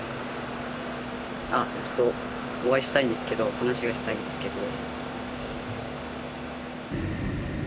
あっちょっとお会いしたいんですけど話がしたいんですけど。